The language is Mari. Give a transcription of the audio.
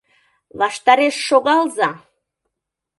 Ваштареш шогалза!